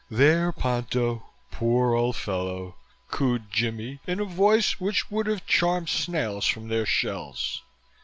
"There! Ponto! Poor old fellow!" cooed Jimmie in a voice which would have charmed snails from their shells.